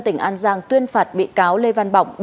tỉnh an giang tuyên phạt bị cáo lê văn bỏng